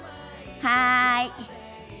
はい。